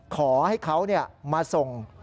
ขอให้เขามาส่ง